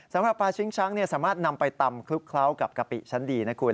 สำหรับปลาชิงช้างสามารถนำไปตำคลุกเคล้ากับกะปิชั้นดีนะคุณ